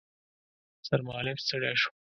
سرمعلم ستړی شو.